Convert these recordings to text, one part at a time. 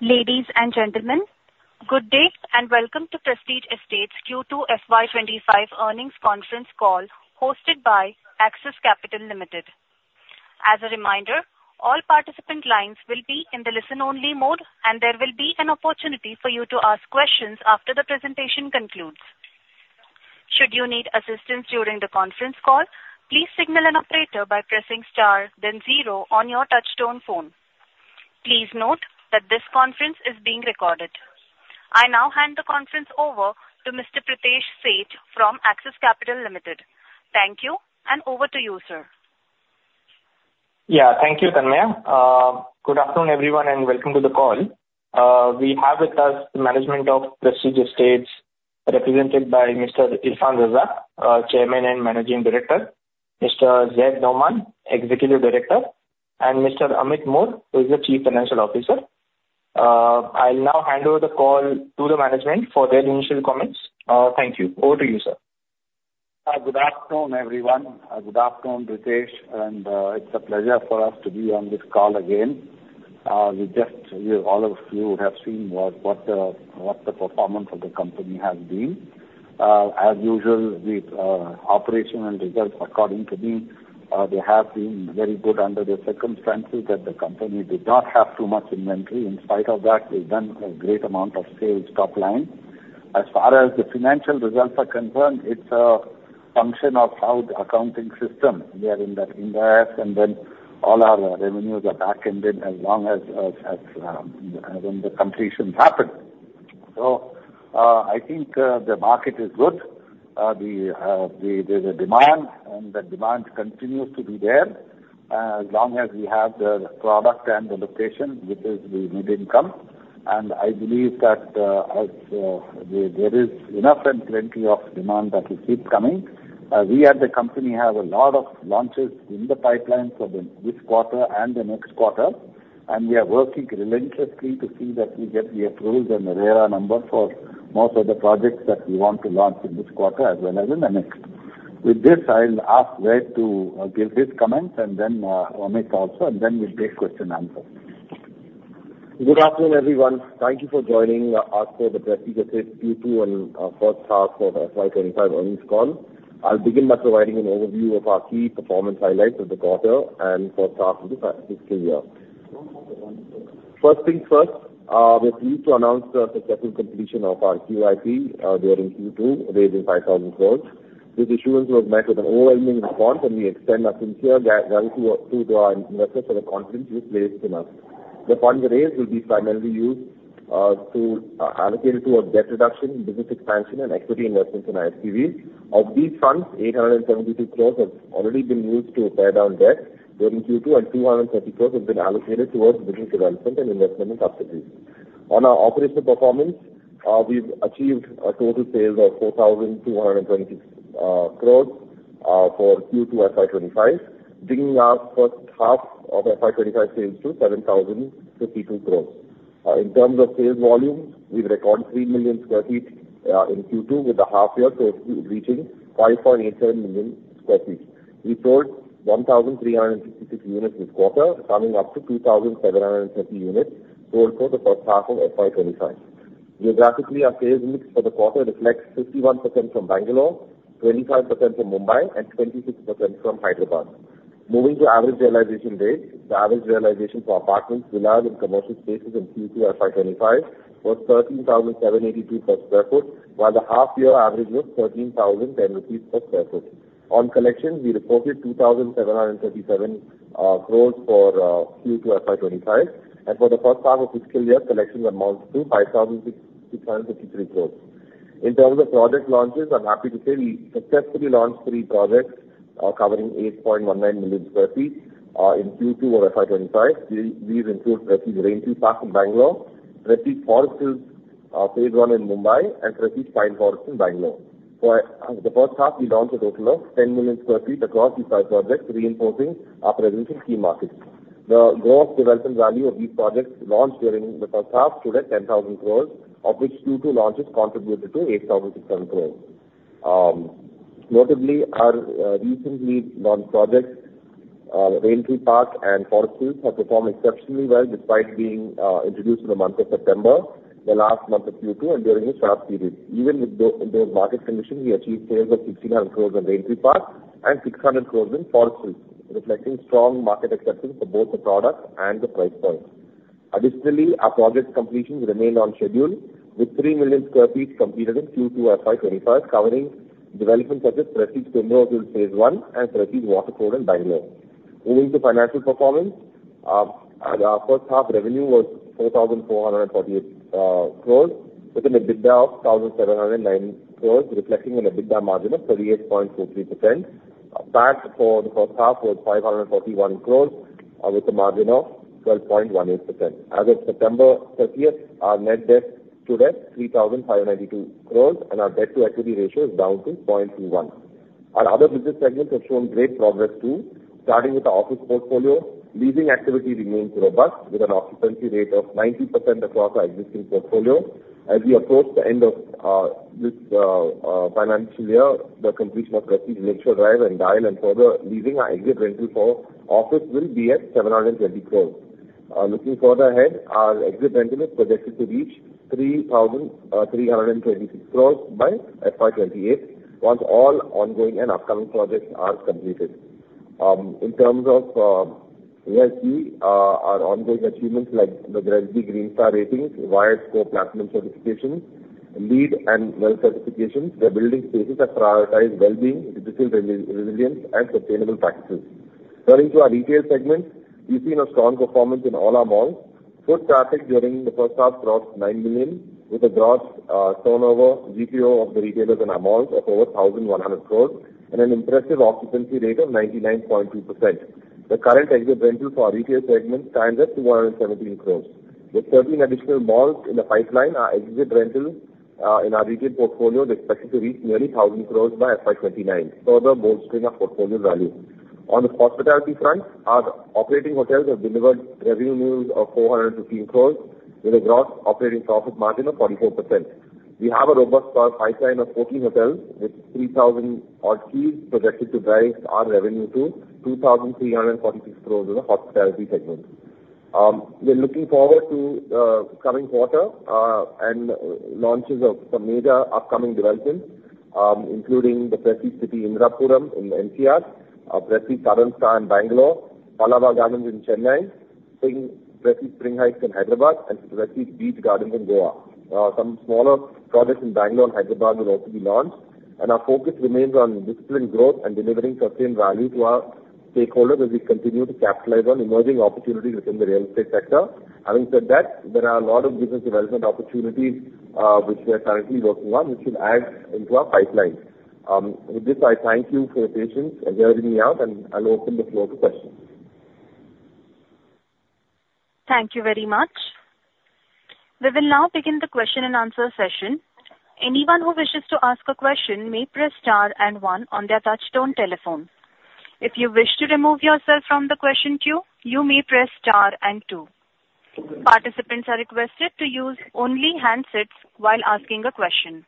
Ladies and gentlemen, good day and welcome to Prestige Estates Q2 FY25 earnings conference call hosted by Axis Capital Limited. As a reminder, all participant lines will be in the listen-only mode, and there will be an opportunity for you to ask questions after the presentation concludes. Should you need assistance during the conference call, please signal an operator by pressing star, then zero on your touch-tone phone. Please note that this conference is being recorded. I now hand the conference over to Mr. Pritesh Sheth from Axis Capital Limited. Thank you, and over to you, sir. Yeah, thank you, Tanmaya. Good afternoon, everyone, and welcome to the call. We have with us the management of Prestige Estates, represented by Mr. Irfan Razack, Chairman and Managing Director, Mr. Zaid Sadiq, Executive Director, and Mr. Amit Mor, who is the Chief Financial Officer. I'll now hand over the call to the management for their initial comments. Thank you. Over to you, sir. Good afternoon, everyone. Good afternoon, Pratesh. And it's a pleasure for us to be on this call again. We just, all of you have seen what the performance of the company has been. As usual, the operational results, according to me, they have been very good under the circumstances that the company did not have too much inventory. In spite of that, they've done a great amount of sales top line. As far as the financial results are concerned, it's a function of how the accounting system, we are in that index, and then all our revenues are back-ended as long as the completion happens. So I think the market is good. There's a demand, and the demand continues to be there as long as we have the product and the location, which is the mid-income. And I believe that there is enough and plenty of demand that will keep coming. We at the company have a lot of launches in the pipeline for this quarter and the next quarter, and we are working relentlessly to see that we get the approvals and the RERA number for most of the projects that we want to launch in this quarter as well as in the next. With this, I'll ask Zaid to give his comments, and then Amit also, and then we'll take question and answer. Good afternoon, everyone. Thank you for joining us for the Prestige Estates Q2 and first half of the FY25 earnings call. I'll begin by providing an overview of our key performance highlights of the quarter and first half of the fiscal year. First things first, we're pleased to announce the second completion of our QIP, during Q2, raising 5,000 crores. This issue was met with an overwhelming response, and we extend our sincere gratitude to our investors for the confidence you've placed in us. The funds raised will be primarily used to allocate to debt reduction, business expansion, and equity investments in SPV. Of these funds, 872 crores have already been used to pare down debt during Q2, and 230 crores have been allocated towards business development and investment in subsidiaries. On our operational performance, we've achieved a total sales of 4,226 crores for Q2 FY25, bringing our first half of FY25 sales to 7,052 crores. In terms of sales volumes, we've recorded 3 million sq ft in Q2 with the half-year sales reaching 5.87 million sq ft. We sold 1,366 units this quarter, coming up to 2,730 units sold for the first half of FY25. Geographically, our sales mix for the quarter reflects 51% from Bangalore, 25% from Mumbai, and 26% from Hyderabad. Moving to average realization rates, the average realization for apartments, villas, and commercial spaces in Q2 FY25 was 13,782 per sq ft, while the half-year average was 13,010 rupees per sq ft. On collections, we reported 2,737 crores for Q2 FY25, and for the first half of fiscal year, collections amounted to 5,653 crores. In terms of project launches, I'm happy to say we successfully launched three projects covering 8.19 million sq ft in Q2 of FY25. These include Prestige Raintree Park in Bangalore, Prestige Forest Hills Phase One in Mumbai, and Prestige Pine Forest in Bangalore. For the first half, we launched a total of 10 million sq ft across these five projects, reinforcing our presence in key markets. The gross development value of these projects launched during the first half stood at 10,000 crores, of which Q2 launches contributed to 8,067 crores. Notably, our recently launched projects, Raintree Park and Forest Hills, have performed exceptionally well despite being introduced in the month of September, the last month of Q2, and during the festive period. Even with those market conditions, we achieved sales of 1,600 crores in Raintree Park and 600 crores in Forest Hills, reflecting strong market acceptance for both the product and the price point. Additionally, our project completions remained on schedule, with 3 million sq ft completed in Q2 FY25, covering developments such as Prestige Primrose Hills Phase One and Prestige Waterford in Bangalore. Moving to financial performance, our first half revenue was 4,448 crores, with an EBITDA of 1,709 crores, reflecting an EBITDA margin of 38.43%. PAT for the first half was 541 crores, with a margin of 12.18%. As of September 30th, our net debt stood at 3,592 crores, and our debt-to-equity ratio is down to 0.21. Our other business segments have shown great progress too, starting with our office portfolio. Leasing activity remains robust, with an occupancy rate of 90% across our existing portfolio. As we approach the end of this financial year, the completion of Prestige Lakeshore Drive and DIAL, and further leasing our exit rental for office, will be at 720 crores. Looking further ahead, our exit rental is projected to reach 3,326 crores by FY28, once all ongoing and upcoming projects are completed. In terms of wellness, our ongoing achievements like the GRESB Green Star ratings, WiredScore Platinum certifications, LEED, and WELL certifications, where building spaces have prioritized well-being, digital resilience, and sustainable practices. Turning to our retail segment, we've seen a strong performance in all our malls. Foot traffic during the first half crossed nine million, with a gross turnover GOP of the retailers in our malls of over 1,100 crores, and an impressive occupancy rate of 99.2%. The current exit rental for our retail segment stands at 217 crores. With 13 additional malls in the pipeline, our exit rental in our retail portfolio is expected to reach nearly 1,000 crores by FY29, further bolstering our portfolio value. On the hospitality front, our operating hotels have delivered revenue of 415 crores, with a gross operating profit margin of 44%. We have a robust pipeline of 14 hotels, with 3,000 odd keys projected to drive our revenue to 2,346 crores in the hospitality segment. We're looking forward to the coming quarter and launches of some major upcoming developments, including the Prestige City Indirapuram in NCR, Prestige Southern Star in Bangalore, Prestige Pallava Gardens in Chennai, Prestige Spring Heights in Hyderabad, and Prestige Beach Gardens in Goa. Some smaller projects in Bangalore and Hyderabad will also be launched, and our focus remains on disciplined growth and delivering sustained value to our stakeholders as we continue to capitalize on emerging opportunities within the real estate sector. Having said that, there are a lot of business development opportunities which we are currently working on, which will add into our pipeline. With this, I thank you for your patience and hearing me out, and I'll open the floor to questions. Thank you very much. We will now begin the question and answer session. Anyone who wishes to ask a question may press star and one on their touch-tone telephone. If you wish to remove yourself from the question queue, you may press star and two. Participants are requested to use only handsets while asking a question.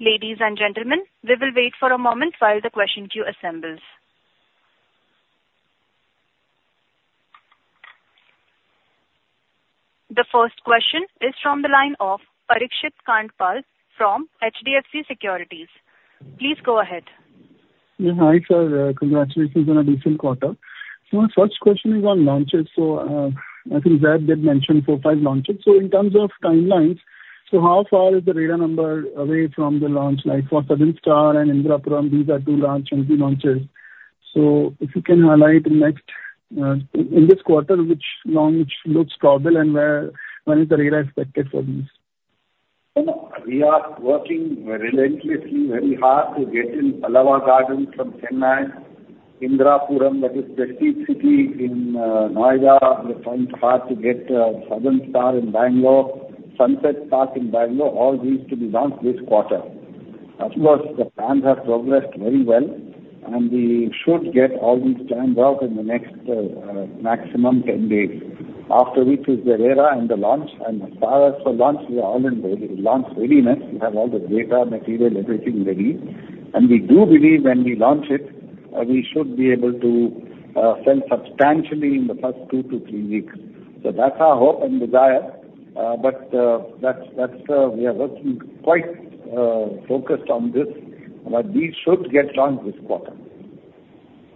Ladies and gentlemen, we will wait for a moment while the question queue assembles. The first question is from the line of Parikshit Kandpal from HDFC Securities. Please go ahead. Yeah, hi sir. Congratulations on a decent quarter. So the first question is on launches. So I think Zed did mention four, five launches. So in terms of timelines, so how far is the RERA number away from the launch? Like for Southern Star and Indirapuram, these are two launches, and three launches. So if you can highlight next in this quarter, which launch looks probable, and when is the RERA expected for these? We are working relentlessly, very hard to get in Prestige Pallava Gardens from Chennai, Indirapuram, that is The Prestige City, Indirapuram. We're trying hard to get Southern Star in Bangalore, Sunset Park in Bangalore. All these to be launched this quarter. Of course, the plans have progressed very well, and we should get all these plans out in the next maximum 10 days, after which is the RERA and the launch. And as far as for launch, we are all in launch readiness. We have all the data, material, everything ready. And we do believe when we launch it, we should be able to sell substantially in the first two to three weeks. So that's our hope and desire. But that's we are working quite focused on this, but these should get launched this quarter.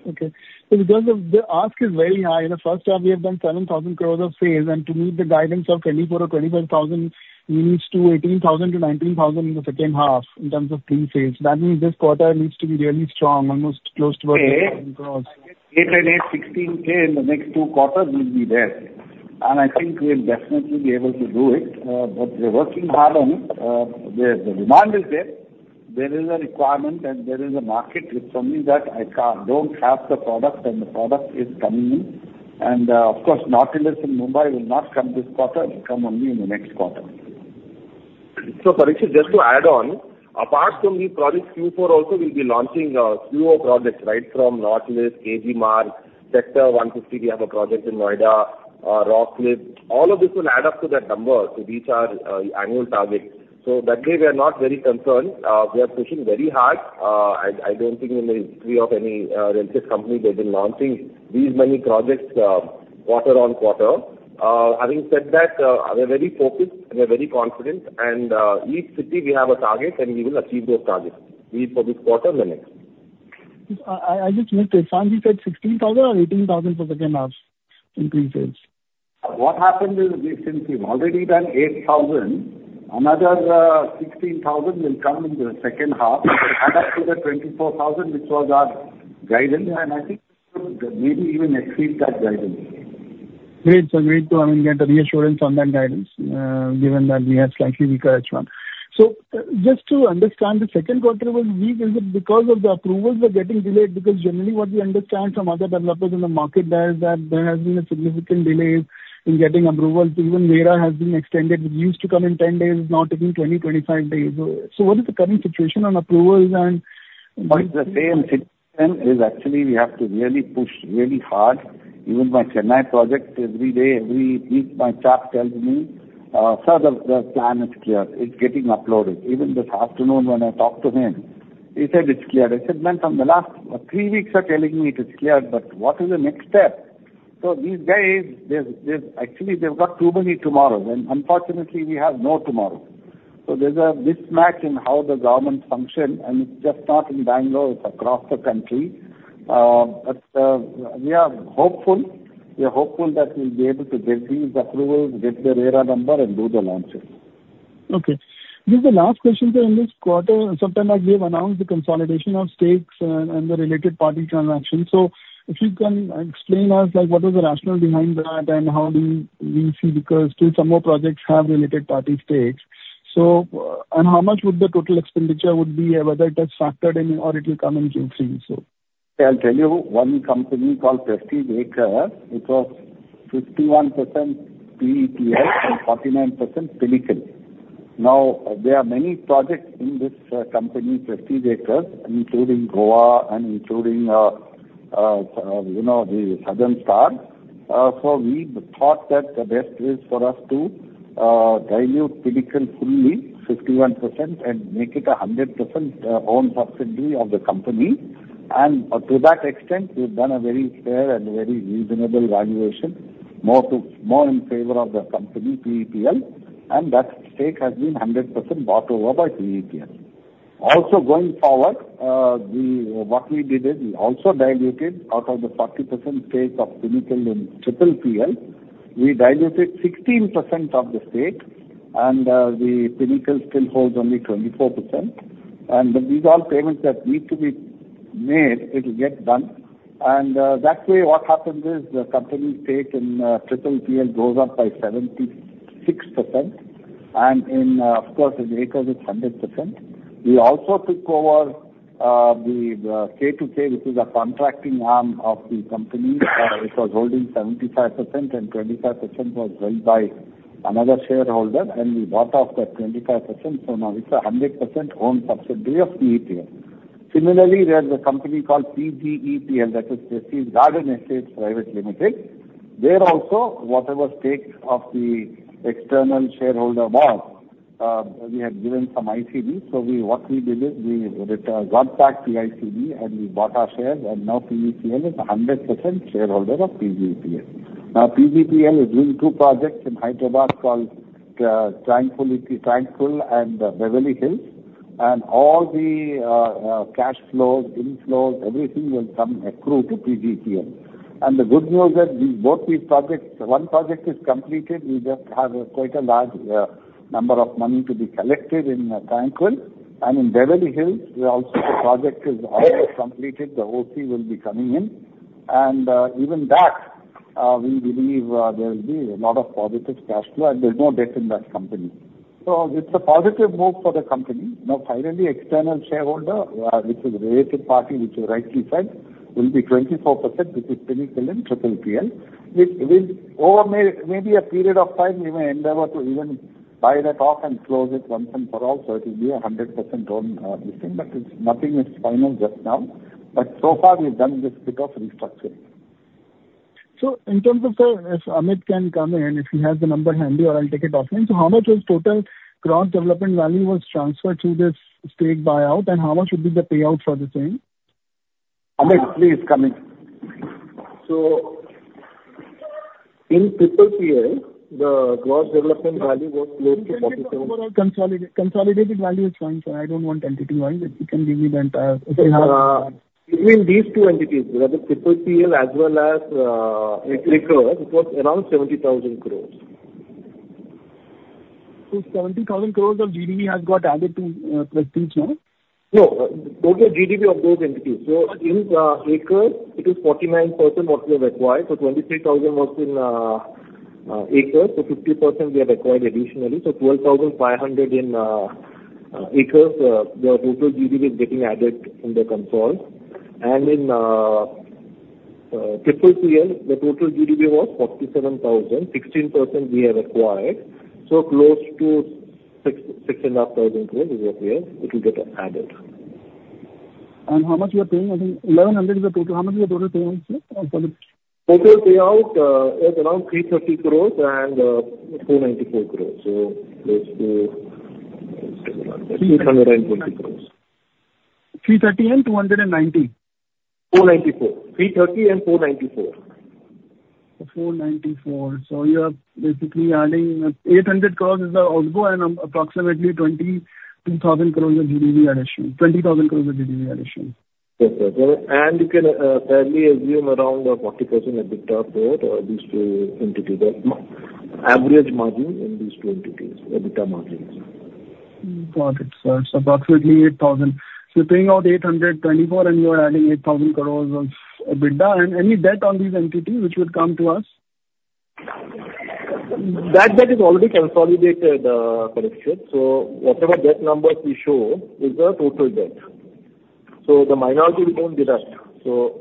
Okay. So because the ask is very high, the first half, we have done 7,000 crores of sales, and to meet the guidance of 24 or 25 thousand, we need to 18,000-19,000 in the second half in terms of clean sales. That means this quarter needs to be really strong, almost close to 18,000 crores. 8,000, 8,000, 16,000 in the next two quarters will be there. I think we'll definitely be able to do it. We're working hard on it. The demand is there. There is a requirement, and there is a market with something that I don't have the product, and the product is coming in. Of course, Nautilus in Mumbai will not come this quarter. It will come only in the next quarter. Parikshit, just to add on, apart from these projects, Q4 also will be launching four projects right from Nautilus, KG Marg, Sector 150. We have a project in Noida, Rock Cliff. All of this will add up to that number to reach our annual target. That way, we are not very concerned. We are pushing very hard. I don't think in the history of any real estate company they've been launching these many projects quarter on quarter. Having said that, we're very focused, and we're very confident. Each city, we have a target, and we will achieve those targets. We hope this quarter and the next. I just want to confirm, you said 16,000 or 18,000 for the second half increase sales? What happened is since we've already done 8,000, another 16,000 will come in the second half to add up to the 24,000, which was our guidance, and I think we could maybe even exceed that guidance. Great. So great, I mean, to get the reassurance on that guidance, given that we have slightly weaker H1. So just to understand, the second quarter will be because of the approvals are getting delayed? Because generally, what we understand from other developers in the market there is that there has been a significant delay in getting approvals. Even RERA has been extended. It used to come in 10 days, now it's taking 20, 25 days. So what is the current situation on approvals and? What is the say? And actually, we have to really push really hard. Even my Chennai project, every day, every week, my chap tells me, "Sir, the plan is clear. It's getting uploaded." Even this afternoon when I talked to him, he said, "It's clear." I said, "Man, from the last three weeks are telling me it's clear, but what is the next step?" So these guys, actually, they've got too many tomorrows, and unfortunately, we have no tomorrow. So there's a mismatch in how the government functions, and it's just not in Bangalore, it's across the country. But we are hopeful. We are hopeful that we'll be able to get these approvals, get the RERA number, and do the launches. Okay. Just the last question here. In this quarter, sometime I believe announced the consolidation of stakes and the related party transactions. So if you can explain us what was the rationale behind that and how do we see because still some more projects have related party stakes. And how much would the total expenditure be, whether it has factored in or it will come in Q3? I'll tell you, one company called Prestige Acres, it was 51% PEPL and 49% Silicon. Now, there are many projects in this company, Prestige Acres, including Goa and including the Southern Star. So we thought that the best is for us to dilute Silicon fully, 51%, and make it a 100% owned subsidiary of the company. And to that extent, we've done a very fair and very reasonable valuation, more in favor of the company PEPL, and that stake has been 100% bought over by PEPL. Also going forward, what we did is we also diluted out of the 40% stake of Silicon in PFBP. We diluted 16% of the stake, and the PFBP still holds only 24%. And these are payments that need to be made. It will get done. And that way, what happens is the company stake in PFBP goes up by 76%. And of course, in Acres, it's 100%. We also took over the K2K, which is a contracting arm of the company. It was holding 75%, and 25% was held by another shareholder, and we bought off that 25%. So now it's a 100% owned subsidiary of PEPL. Similarly, there's a company called PGEPL, that is Prestige Garden Estates Private Limited. They're also whatever stake of the external shareholder was. We had given some ICV. So what we did is we got back the ICV, and we bought our shares, and now PEPL is a 100% shareholder of PGEPL. Now, PGEPL is doing two projects in Hyderabad called Tranquil and Beverly Hills. And all the cash flows, inflows, everything will come accrue to PGEPL. And the good news is that both these projects, one project is completed. We just have quite a large number of money to be collected in Tranquil. In Beverly Hills, we also have a project that is almost completed. The OC will be coming in. Even that, we believe there will be a lot of positive cash flow, and there's no debt in that company. So it's a positive move for the company. Now, finally, external shareholder, which is a related party, which you rightly said, will be 24%, which is PFBP in PFBP. With maybe a period of time, we may endeavor to even buy that off and close it once and for all, so it will be a 100% owned listing. Nothing is final just now, but so far, we've done this bit of restructuring. In terms of, if Amit can come in, if he has the number handy, or I'll take it offline. How much was total Gross Development Value transferred to this stake buyout, and how much would be the payout for the same? Amit, please come in. So in PFBP, the gross development value was close to 47. So overall consolidated value is fine, sir. I don't want entity-wise. If you can give me the entire. Between these two entities, whether PFBP as well as Acres, it was around 70,000 crores. So 70,000 crores of GDV has got added to Prestige now? No. Go to the GDV of those entities. So in Acres, it is 49% what we have acquired, so 23,000 was in Acres, so 50% we have acquired additionally, so 12,500 in Acres, the total GDV is getting added in the consolidated, and in PFBP, the total GDV was 47,000, 16% we have acquired, so close to 6,500 crores is what we have. It will get added. How much you are paying? I think 1,100 is the total. How much is the total payout for the? Total payout is around 330 crores and 494 crores. So close to 620 crores. 330 and 290? 494, 330 and 494. So you are basically adding 800 crores, which is the outgo, and approximately 22,000 crores of GDV addition. 20,000 crores of GDV addition. Yes, sir, and you can fairly assume around 40% EBITDA growth of these two entities. That's average margin in these two entities, EBITDA margins. Got it, sir. So approximately 8,000. So you're paying out 824 crores, and you're adding 8,000 crores of GDV. And any debt on these entities which would come to us? That debt is already consolidated, Parikshit. So whatever debt numbers we show is the total debt. So the minority will be deduct. So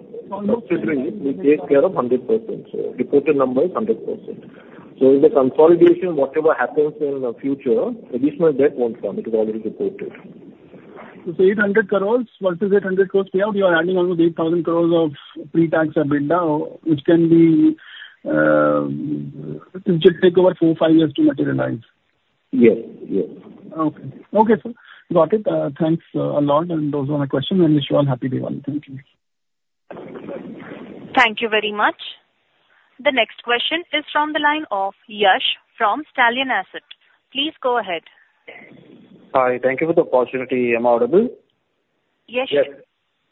considering it, we take care of 100%. So reported number is 100%. So in the consolidation, whatever happens in the future, additional debt won't come. It is already reported. 800 crores. Once this 800 crores payout, you are adding almost 8,000 crores of pre-tax EBITDA, which can be. It should take over four, five years to materialize. Yes. Yes. Okay. Okay, sir. Got it. Thanks a lot. And those were my questions. And wish you all a happy day. Thank you. Thank you very much. The next question is from the line of Yash from Stallion Asset. Please go ahead. Hi. Thank you for the opportunity. Am I audible? Yes, sir.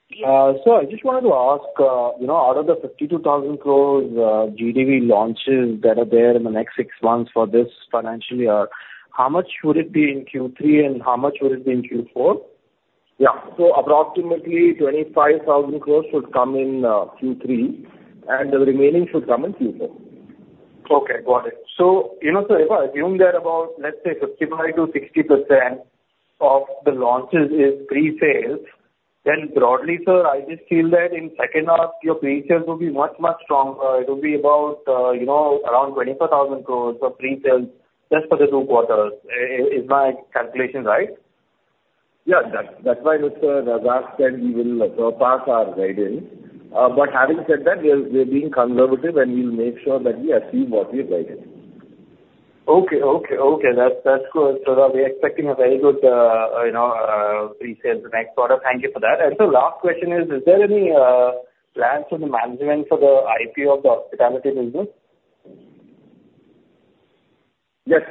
Yes, so I just wanted to ask, out of the 52,000 crores GDV launches that are there in the next six months for this financial year, how much would it be in Q3, and how much would it be in Q4? Yeah, so approximately 25,000 crores should come in Q3, and the remaining should come in Q4. Okay. Got it. So if I assume that about, let's say, 55%-60% of the launches is pre-sales, then broadly, sir, I just feel that in second half, your pre-sales will be much, much stronger. It will be about around 24,000 crores of pre-sales just for the two quarters. Is my calculation right? Yes. That's why I would say that that's when we will surpass our guidance, but having said that, we're being conservative, and we'll make sure that we achieve what we have guided. Okay. That's good. So we're expecting a very good pre-sales next quarter. Thank you for that. And the last question is, is there any plans for the management for the IP of the hospitality business? Yes.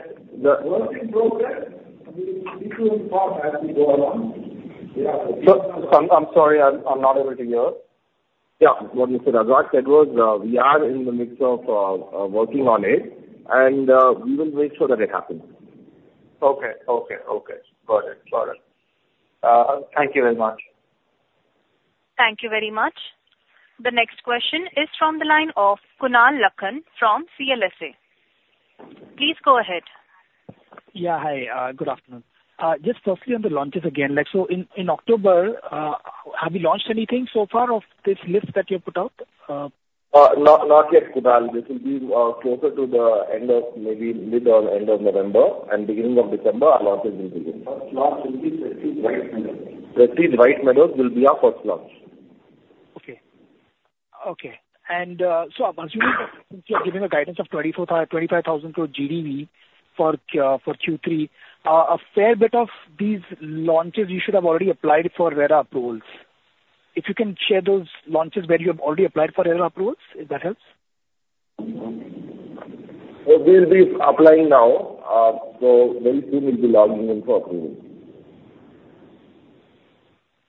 The hospitality process, we will see through the process as we go along. I'm sorry. I'm not able to hear. Yeah. What you said, Razak, that was we are in the midst of working on it, and we will make sure that it happens. Okay. Okay. Okay. Got it. Got it. Thank you very much. Thank you very much. The next question is from the line of Kunal Lakhan from CLSA. Please go ahead. Yeah. Hi. Good afternoon. Just firstly, on the launches again, so in October, have you launched anything so far of this list that you have put out? Not yet, Kunal. This will be closer to the end of maybe mid or end of November and beginning of December, our launches will begin. First launch will be Prestige White Meadows. Prestige White Meadows will be our first launch. Okay. And so I'm assuming since you are giving a guidance of 25,000 crores GDV for Q3, a fair bit of these launches you should have already applied for RERA approvals. If you can share those launches where you have already applied for RERA approvals, if that helps? We'll be applying now. So very soon, we'll be logging in for approvals.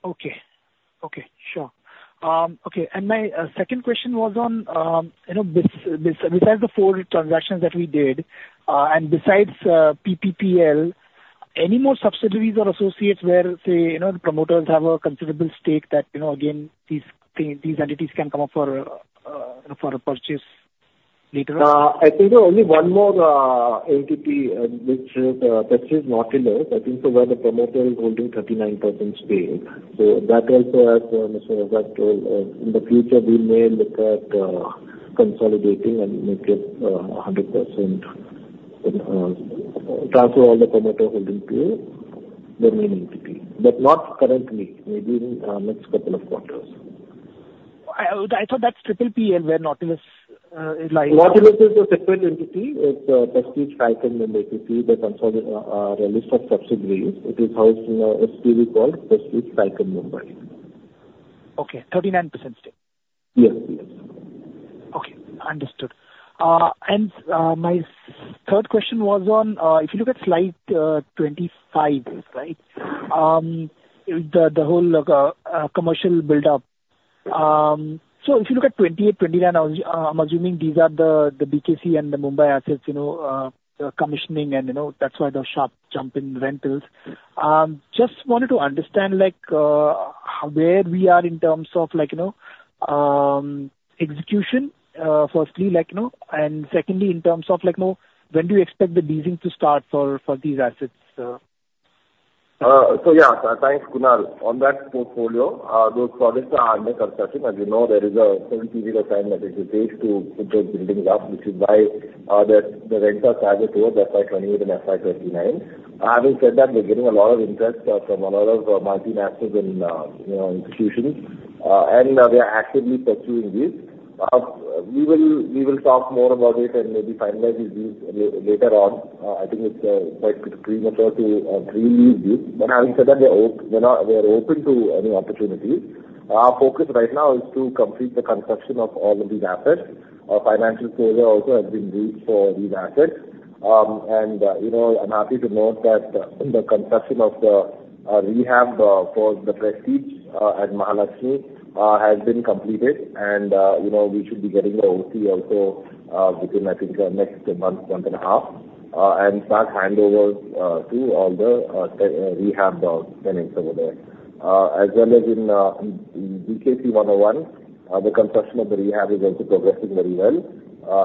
Okay. Sure. And my second question was on, besides the four transactions that we did, and besides PPPL, any more subsidiaries or associates where, say, the promoters have a considerable stake that, again, these entities can come up for a purchase later on? I think there's only one more entity which is Prestige North Hills. I think so where the promoter is holding 39% stake. So that also has a minimal effect. In the future, we may look at consolidating and make it 100% transfer all the promoter holding to the main entity. But not currently, maybe in the next couple of quarters. I thought that's PGEPL where Forest Hills is like. North Hills is a separate entity. It's Prestige Falcon Mumbai Pvt., the consolidation of subsidiaries. It is housed in a SPV called Prestige Falcon Mumbai. Okay. 39% stake. Yes. Yes. Okay. Understood. And my third question was on, if you look at slide 25, right, the whole commercial buildup. So if you look at 28, 29, I'm assuming these are the BKC and the Mumbai Assets, the commissioning, and that's why the sharp jump in rentals. Just wanted to understand where we are in terms of execution, firstly, and secondly, in terms of when do you expect the leasing to start for these assets? So yeah, thanks, Kunal. On that portfolio, those projects are under construction. As you know, there is a 70-year time that it will take to put those buildings up, which is why the renters have it over FI-28 and FI-39. Having said that, we're getting a lot of interest from a lot of multinationals and institutions, and they are actively pursuing these. We will talk more about it and maybe finalize these later on. I think it's quite premature to pre-lease these. But having said that, we're open to any opportunities. Our focus right now is to complete the construction of all of these assets. Financial closure also has been reached for these assets. I'm happy to note that the construction of the rehab for the Prestige and Mahalakshmi has been completed, and we should be getting the OC also within, I think, next month, month and a half, and start handovers to all the rehab tenants over there. As well as in BKC 101, the construction of the rehab is also progressing very well,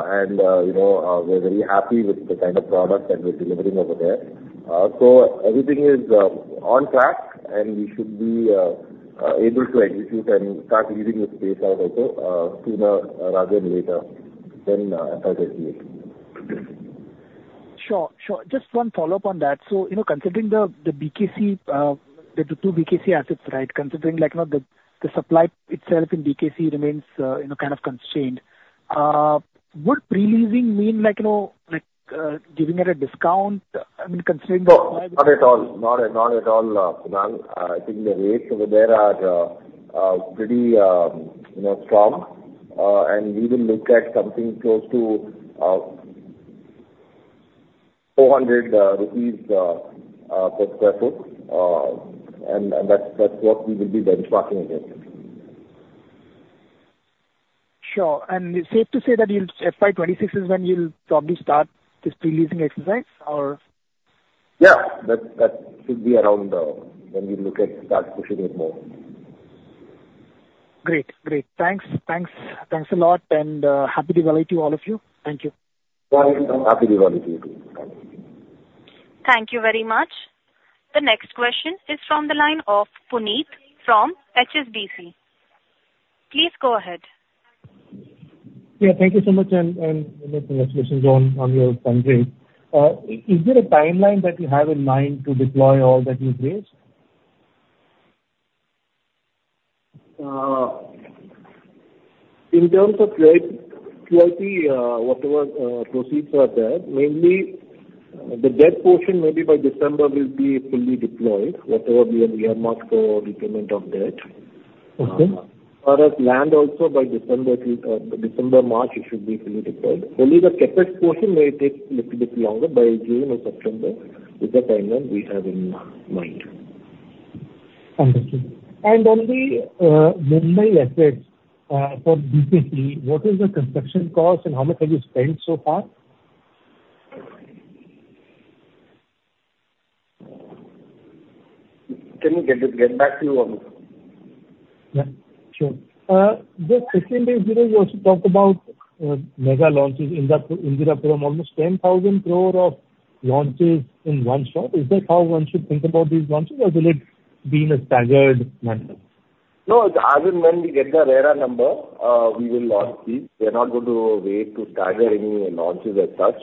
and we're very happy with the kind of product that we're delivering over there. Everything is on track, and we should be able to execute and start leasing the space out also sooner rather than later than FI-38. Sure. Sure. Just one follow-up on that. So considering the BKC, the two BKC assets, right, considering the supply itself in BKC remains kind of constrained, would pre-leasing mean giving it a discount? I mean, considering the supply. Not at all. Not at all, Kunal. I think the rates over there are pretty strong, and we will look at something close to 400 rupees per sq ft, and that's what we will be benchmarking against. Sure. And it's safe to say that FI-26 is when you'll probably start this pre-leasing exercise, or? Yeah. That should be around when we look to start pushing it more. Great. Great. Thanks. Thanks a lot, and happy Diwali to all of you. Thank you. Happy New Year to you too. Thanks. Thank you very much. The next question is from the line of Puneet from HSBC. Please go ahead. Yeah. Thank you so much, and congratulations on your fundraise. Is there a timeline that you have in mind to deploy all that you've raised? In terms of QIP, whatever proceeds are there, mainly the debt portion maybe by December will be fully deployed, whatever we have marked for repayment of debt. As far as land, also by December, March, it should be fully deployed. Only the capital portion may take a little bit longer by June or September is the timeline we have in mind. Understood, and on the Mumbai Assets for BKC, what is the construction cost, and how much have you spent so far? Can you get back to you on this? Yeah. Sure. Just 15 days ago, you also talked about mega launches in Indirapuram. Almost 10,000 crores of launches in one shot. Is that how one should think about these launches, or will it be in a staggered manner? No. As in, when we get the RERA number, we will launch these. We are not going to wait to stagger any launches as such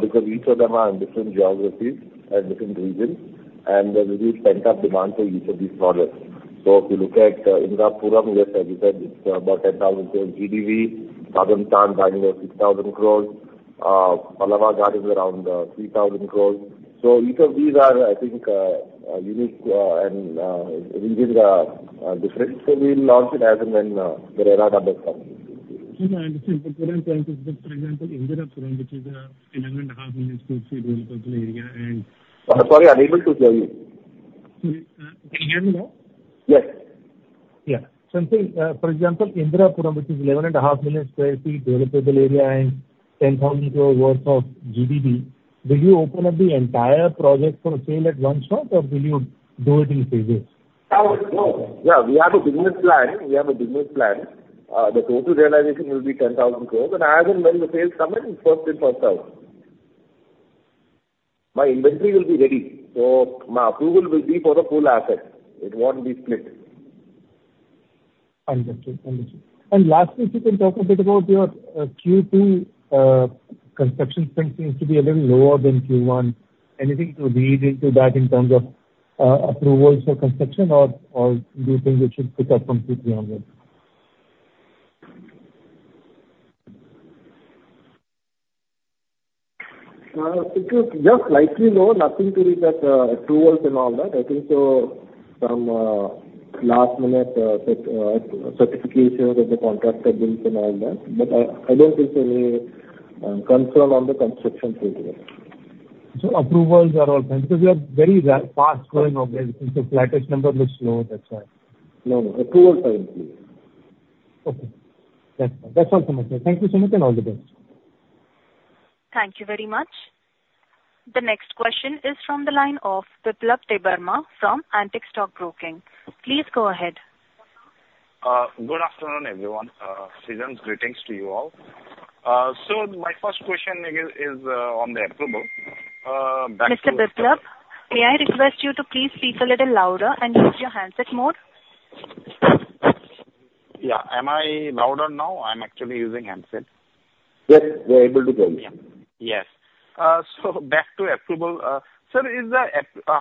because each of them are in different geographies and different regions, and there will be pent-up demand for each of these products. So if you look at Indirapuram, as I said, it's about 10,000 crores GDV. Planned value of 6,000 crores. Pallava Gardens around 3,000 crores. So each of these are, I think, unique and really different. So we'll launch it as and when the RERA number comes. I understand. But what I'm trying to say is, for example, Indirapuram, which is an 11.5 million sq ft developable area, and. I'm sorry, unable to hear you. Sorry. Can you hear me now? Yes. Yeah, so I'm saying, for example, Indirapuram, which is 11.5 million sq ft developable area and 10,000 crores worth of GDV, will you open up the entire project for sale at one shot, or will you do it in phases? No. Yeah. We have a business plan. We have a business plan. The total realization will be 10,000 crores, and as and when the sales come in, first in, first out. My inventory will be ready. So my approval will be for the full asset. It won't be split. Understood. And lastly, if you can talk a bit about your Q2 construction spend seems to be a little lower than Q1. Anything to lead into that in terms of approvals for construction, or do you think it should pick up from Q3 onwards? Just slightly lower. Nothing to read into that approvals and all that. I think it's some last-minute certifications of the contractor deals and all that. But I don't think there's any concern on the construction. So approvals are all planned because you are very fast growing over there. The RERA number looks low. That's why. No. No. Approval time. Okay. That's all for my side. Thank you so much and all the best. Thank you very much. The next question is from the line of Biplab Debbarma from Antique Stock Broking. Please go ahead. Good afternoon, everyone. Sriram's greetings to you all. So my first question is on the approval. Mr. Biplab, may I request you to please speak a little louder and use your handset mode? Yeah. Am I louder now? I'm actually using handset. Yes. We're able to hear you. Yes. So back to approval. Sir,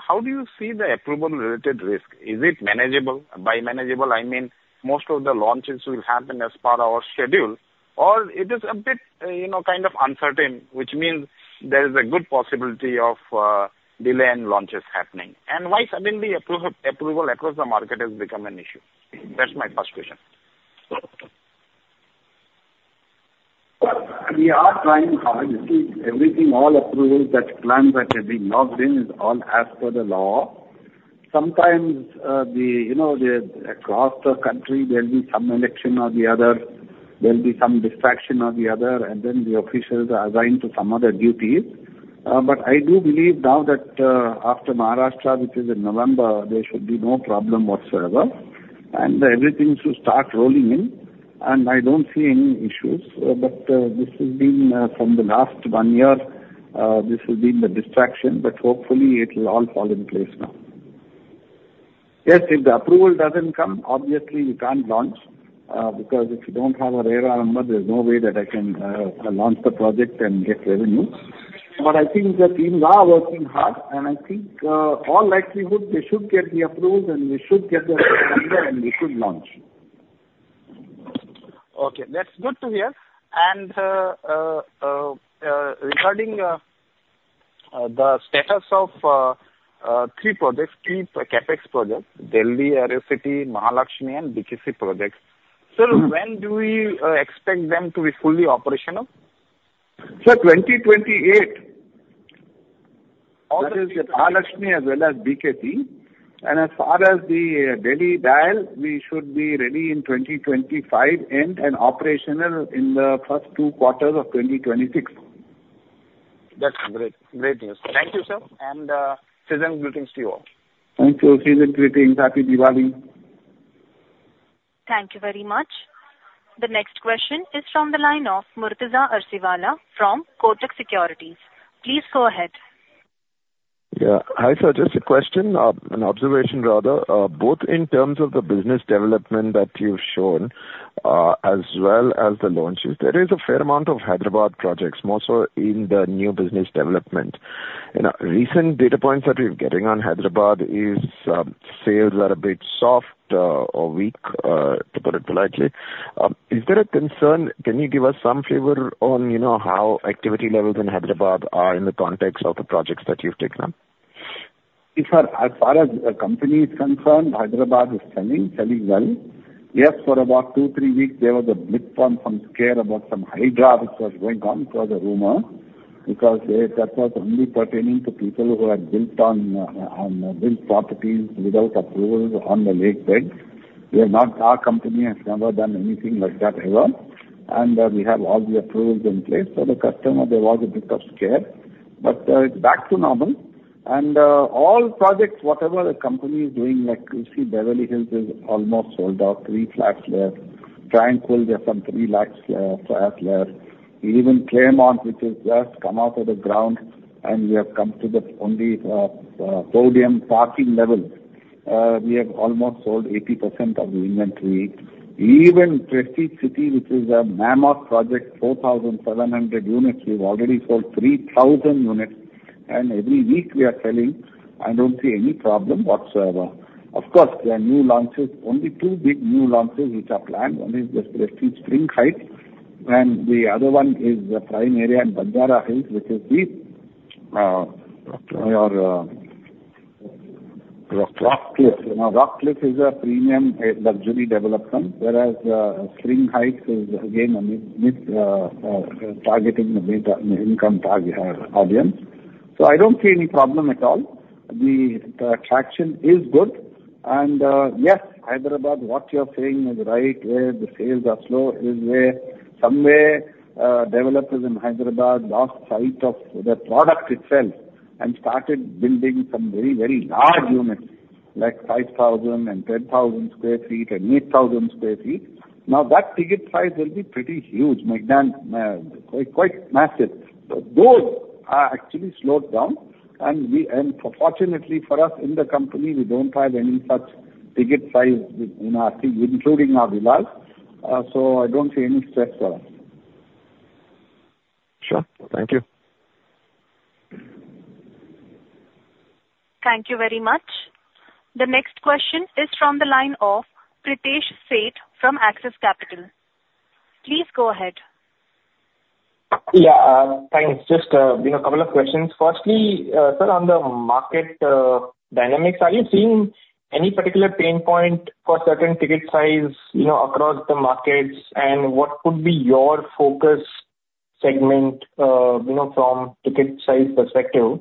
how do you see the approval-related risk? Is it manageable? By manageable, I mean most of the launches will happen as per our schedule, or it is a bit kind of uncertain, which means there is a good possibility of delay in launches happening, and why suddenly approval across the market has become an issue? That's my first question. We are trying hard. Everything, all approvals that plans that have been logged in is all as per the law. Sometimes across the country, there'll be some election or the other. There'll be some distraction or the other, and then the officials are assigned to some other duties. I do believe now that after Maharashtra, which is in November, there should be no problem whatsoever, and everything should start rolling in. I don't see any issues. This has been from the last one year, this has been the distraction, but hopefully it will all fall in place now. Yes. If the approval doesn't come, obviously we can't launch because if you don't have a RERA number, there's no way that I can launch the project and get revenue. But I think the teams are working hard, and I think in all likelihood they should get the approval, and we should get the RERA number, and we should launch. Okay. That's good to hear. And regarding the status of three projects, three CapEx projects: Delhi, Aerocity, Mahalakshmi, and BKC projects. Sir, when do we expect them to be fully operational? Sir, 2028. All this is Mahalakshmi as well as BKC. As far as the Delhi DIAL, we should be ready in 2025 and operational in the first two quarters of 2026. That's great. Great news. Thank you, sir, and Sriram, greetings to you all. Thank you. Sriram, greetings. Happy Diwali. Thank you very much. The next question is from the line of Murtuza Arsiwalla from Kotak Securities. Please go ahead. Yeah. Hi, sir. Just a question, an observation rather. Both in terms of the business development that you've shown as well as the launches, there is a fair amount of Hyderabad projects, more so in the new business development. Recent data points that we're getting on Hyderabad is sales are a bit soft or weak, to put it politely. Is there a concern? Can you give us some flavor on how activity levels in Hyderabad are in the context of the projects that you've taken up? In fact, as far as the company is concerned, Hyderabad is selling, selling well. Yes, for about two, three weeks, there was a blip on some scare about some HYDRA which was going on. It was a rumor because that was only pertaining to people who had built on built properties without approval on the lakebed. We are not. Our company has never done anything like that ever. And we have all the approvals in place. So the customer, there was a bit of scare. But it's back to normal. And all projects, whatever the company is doing, like you see, Beverly Hills is almost sold out, three flats, they're trying to pull there some three lakhs flats. We even Clairemont which has just come out of the ground, and we have come to the only podium parking level. We have almost sold 80% of the inventory. Even Prestige City, which is a mammoth project, 4,700 units, we've already sold 3,000 units. And every week we are selling. I don't see any problem whatsoever. Of course, there are new launches, only two big new launches which are planned. One is the Prestige Spring Heights, and the other one is the prime area in Banjara Hills, which is the. Rock Cliff. Rock Cliff. Rock Cliff is a premium luxury development, whereas Spring Heights is again targeting the income target audience. So I don't see any problem at all. The attraction is good. And yes, Hyderabad, what you're saying is right where the sales are slow is where somewhere developers in Hyderabad lost sight of the product itself and started building some very, very large units like 5,000 and 10,000 sq ft and 8,000 sq ft. Now that ticket price will be pretty huge, quite massive. Those are actually slowed down. And fortunately for us in the company, we don't have any such ticket price in our team, including our villas. So I don't see any stress for us. Sure. Thank you. Thank you very much. The next question is from the line of Pratesh Seth from Axis Capital. Please go ahead. Yeah. Thanks. Just a couple of questions. Firstly, sir, on the market dynamics, are you seeing any particular pain point for certain ticket size across the markets, and what would be your focus segment from ticket size perspective?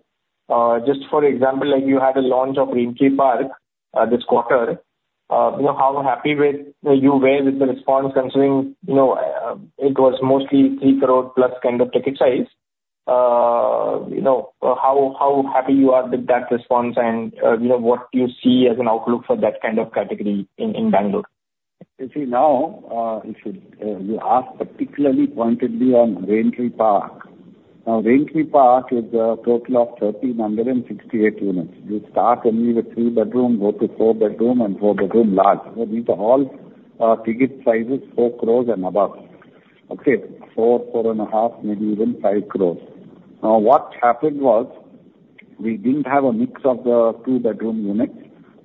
Just for example, you had a launch of Raintree Park this quarter. How happy were you with the response considering it was mostly three crore plus kind of ticket size? How happy you are with that response and what do you see as an outlook for that kind of category in Bangalore? You see, now if you ask particularly pointedly on Raintree Park, now Raintree Park is a total of 1,368 units. You start only with three bedroom, go to four bedroom, and four bedroom large. These are all ticket sizes, 4 crore and above. Okay. 4 crore, INR 4.5 crore, maybe even 5 crore. Now what happened was we didn't have a mix of the two-bedroom units.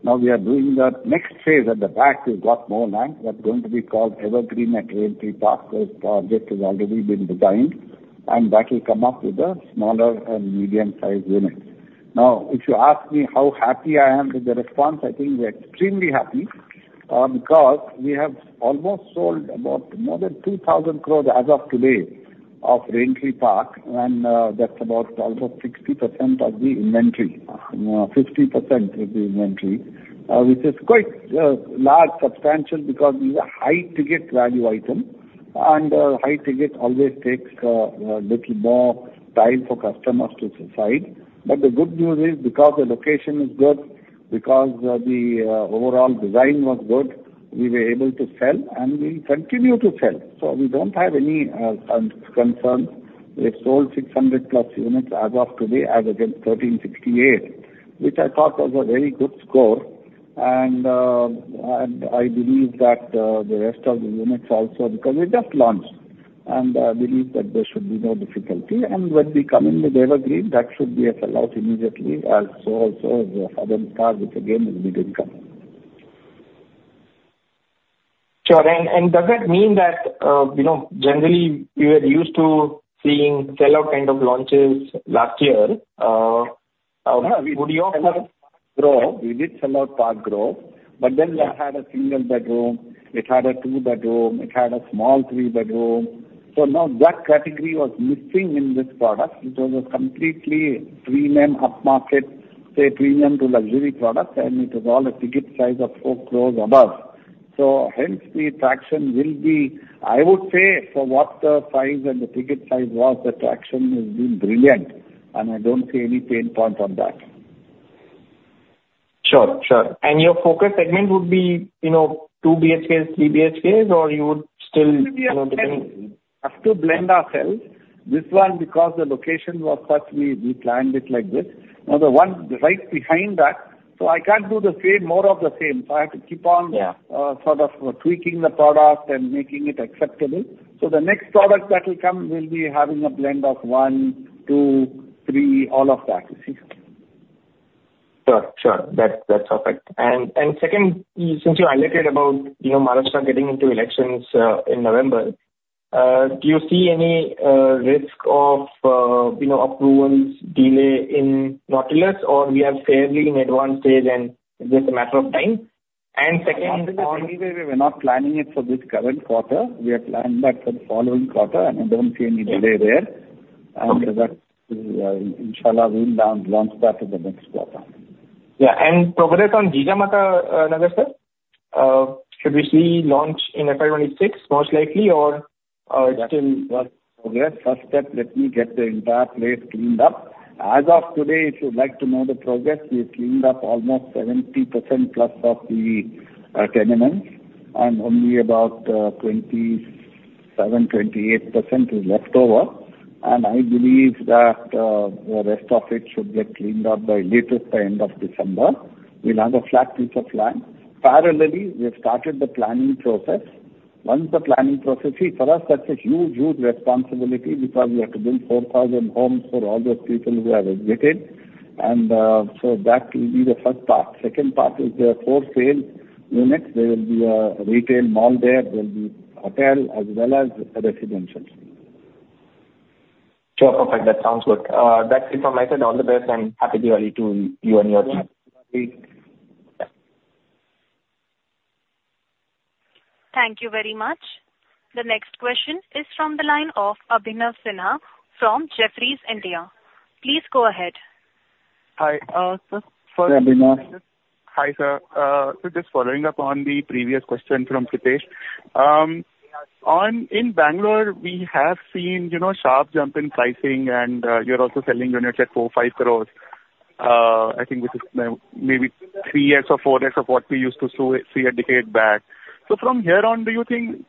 Now we are doing the next phase at the back. We've got more land that's going to be called Evergreen at Raintree Park. This project has already been designed, and that will come up with the smaller and medium-sized units. Now, if you ask me how happy I am with the response, I think we're extremely happy because we have almost sold about more than 2,000 crores as of today of Raintree Park, and that's about almost 60% of the inventory, 50% of the inventory, which is quite large, substantial because these are high-ticket value items, and high-ticket always takes a little more time for customers to decide, but the good news is because the location is good, because the overall design was good, we were able to sell, and we continue to sell, so we don't have any concerns. We've sold 600 plus units as of today out of 1,368, which I thought was a very good score, and I believe that the rest of the units also because they just launched, and I believe that there should be no difficulty. When we come in with Evergreen, that should be a sellout immediately, as is also the other quarter, which again is mid-income. Sure, and does that mean that generally you were used to seeing sellout kind of launches last year? Yeah. We did sell out Park Grove. But then we had a single bedroom. It had a two-bedroom. It had a small three-bedroom. So now that category was missing in this product. It was a completely premium upmarket, say, premium to luxury product, and it was all a ticket size of four crores above. So hence the attraction will be, I would say, for what the size and the ticket size was, the attraction has been brilliant. And I don't see any pain point on that. Sure. Sure. And your focus segment would be two BHKs, three BHKs, or you would still depend? We have to blend ourselves. This one, because the location was such, we planned it like this. Now the one right behind that. So I can't do the same, more of the same. So I have to keep on sort of tweaking the product and making it acceptable. So the next product that will come will be having a blend of one, two, three, all of that. Sure. Sure. That's perfect. And second, since you alluded to Maharashtra getting into elections in November, do you see any risk of approval delays in Nautilus, or we are fairly in an advanced stage and just a matter of time? And second. We're not planning it for this current quarter. We have planned that for the following quarter, and I don't see any delay there. And that's, inshallah, we'll launch that in the next quarter. Yeah. And progress on Jijamata Nagar? Should we see launch in FY26 most likely, or it's still? Yes. First step, let me get the entire place cleaned up. As of today, if you'd like to know the progress, we've cleaned up almost 70% plus of the tenements, and only about 27-28% is left over, and I believe that the rest of it should get cleaned up by latest by end of December. We'll have a flat piece of land. Parallelly, we have started the planning process. Once the planning process, see, for us, that's a huge, huge responsibility because we have to build 4,000 homes for all those people who have exited, and so that will be the first part. Second part is there are four sales units. There will be a retail mall there. There will be hotel as well as residential. Sure. Perfect. That sounds good. That's information on the base, and happy Diwali to you and your team. Thank you very much. The next question is from the line of Abhinav Sinha from Jefferies India. Please go ahead. Hi. Hi, sir. Abhinav. Hi, sir. So just following up on the previous question from Pratesh. In Bangalore, we have seen sharp jump in pricing, and you're also selling units at four, five crores. I think this is maybe three X or four X of what we used to see a decade back. So from here on, do you think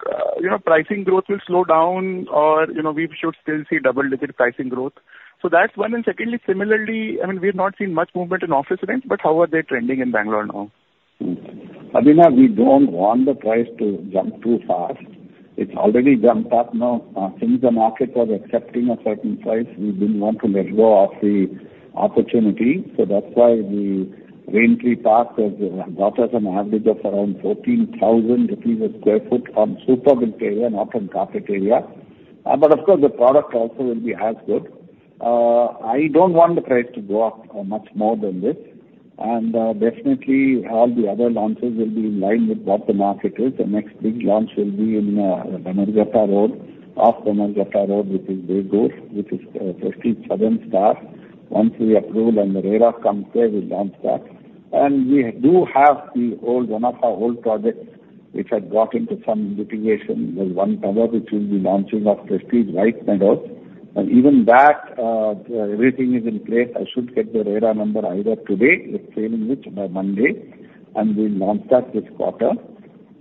pricing growth will slow down, or we should still see double-digit pricing growth? So that's one. And secondly, similarly, I mean, we have not seen much movement in office rents, but how are they trending in Bangalore now? Abhinav, we don't want the price to jump too fast. It's already jumped up now. Since the market was accepting a certain price, we didn't want to let go of the opportunity. So that's why the Raintree Park has got us an average of around INR 14,000 a sq ft on super good area, not on carpet area. But of course, the product also will be as good. I don't want the price to go up much more than this. And definitely, all the other launches will be in line with what the market is. The next big launch will be in Jijamata Road, off Jijamata Road, which is very good, which is Prestige Southern Star. Once we approve and the RERA comes there, we'll launch that. And we do have the old one of our old projects which had got into some litigation. There's one tower which we'll be launching off Prestige right next door. And even that, everything is in place. I should get the RERA number either today, if failing which, by Monday. And we'll launch that this quarter.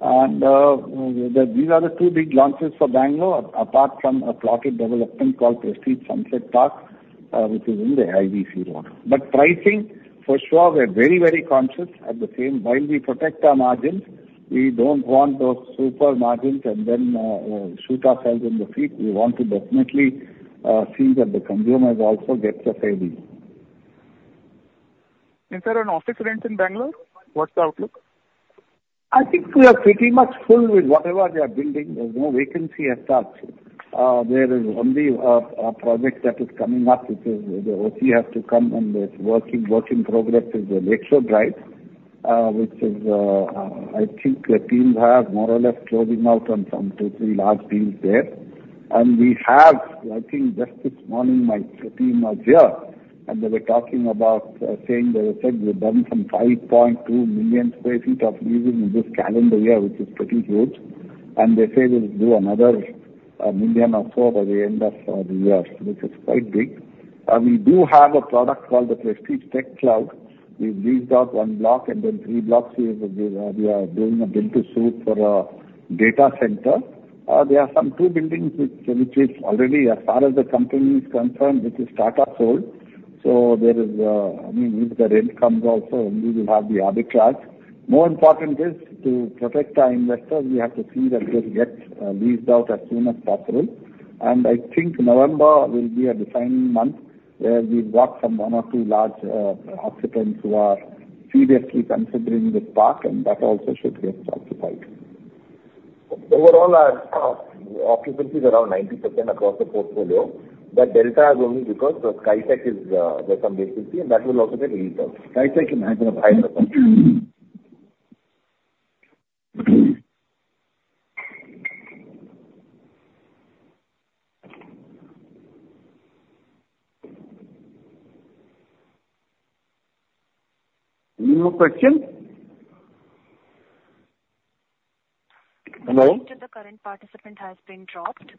And these are the two big launches for Bangalore, apart from a plotted development called Prestige Sunset Park, which is in the IVC Road. But pricing, for sure, we're very, very conscious at the same. While we protect our margins, we don't want those super margins and then shoot ourselves in the feet. We want to definitely see that the consumer also gets a saving. Is there an office rent in Bangalore? What's the outlook? I think we are pretty much full with whatever they are building. There's no vacancy as such. There is only a project that is coming up, which is the OC has to come, and the work in progress is the Prestige Lakeshore Drive, which is, I think, the teams are more or less closing out on some two, three large deals there. And we have, I think, just this morning, my team was here, and they were talking about saying they said we've done some 5.2 million sq ft of leasing in this calendar year, which is pretty good. And they say we'll do another million or so by the end of the year, which is quite big. We do have a product called the Prestige Tech Cloud. We've leased out one block, and then three blocks we are doing a build-to-suit for a data center. There are some two buildings which is already, as far as the company is concerned, which is startup sold. So there is, I mean, if the rent comes also, we will have the arbitrage. More important is to protect our investors. We have to see that they get leased out as soon as possible. And I think November will be a defining month where we've got some one or two large occupants who are seriously considering this park, and that also should get justified. Overall, our occupancy is around 90% across the portfolio. But the delta is only because the Startech has some vacancy, and that will also get leased out. Startech is not going to buy the property. No question? Hello? The current participant has been dropped,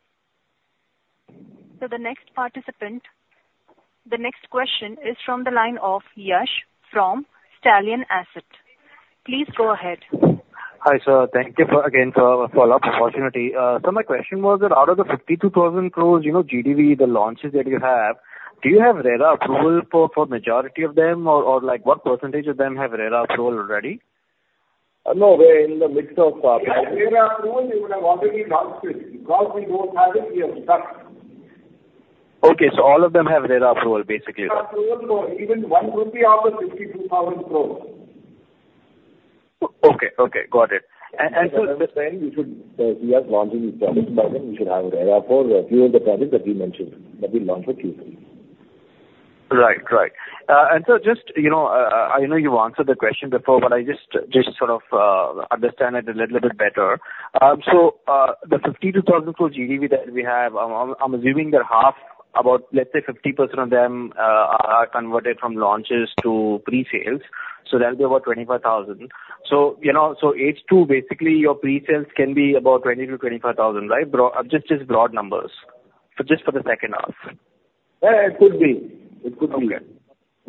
so the next participant, the next question is from the line of Yash from Stallion Asset. Please go ahead. Hi, sir. Thank you again for the follow-up opportunity. So my question was that out of the 52,000 crores GDV, the launches that you have, do you have RERA approval for the majority of them, or what percentage of them have RERA approval already? No, we're in the midst of. We have RERA approval. We even already launched it. Because we don't have it, we are stuck. Okay. So all of them have RERA approval, basically. RERA approval for even 1 rupee out of 52,000 crores. Okay. Okay. Got it. And so. I understand we should, if we are launching each other's project, we should have RERA approval for a few of the projects that we mentioned that we launched for Q3. Right. Right. And sir, just I know you've answered the question before, but I just sort of understand it a little bit better. So the 52,000 crore GDV that we have, I'm assuming that half, about, let's say, 50% of them are converted from launches to pre-sales. So that'll be about 25,000. So H2, basically, your pre-sales can be about 20-25 thousand, right? Just broad numbers. Just for the second half. Yeah. It could be. It could be there.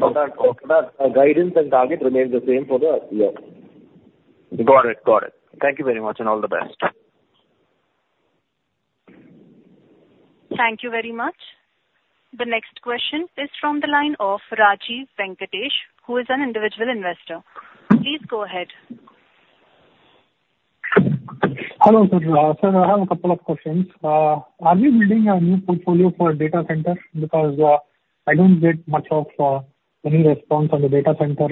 Okay. But our guidance and target remains the same for the year. Got it. Got it. Thank you very much and all the best. Thank you very much. The next question is from the line of Rajiv Venkatesh, who is an individual investor. Please go ahead. Hello, sir. Sir, I have a couple of questions. Are we building a new portfolio for a data center? Because I don't get much of any response on the data center,